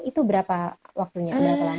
itu berapa waktunya